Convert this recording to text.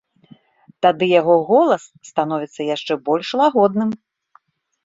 Тады яго голас становіцца яшчэ больш лагодным.